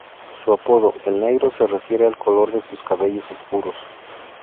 Su apodo, "el Negro", se refiere al color de sus cabellos oscuros.